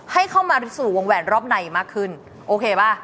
ให้เข้ามาสู่วงแหวนรอบในมากขึ้นโอเคป่ะ